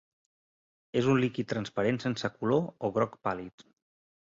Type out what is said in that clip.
És un líquid transparent sense color o groc pàl·lid.